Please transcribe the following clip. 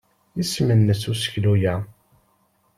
Isem-nnes useklu-a?